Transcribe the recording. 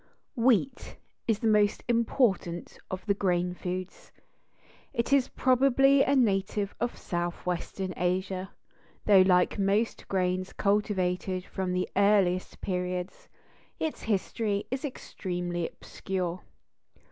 Wheat is the most important of the grain foods. It is probably a native of Southwestern Asia, though like most grains cultivated from the earliest periods, its history is extremely obscure.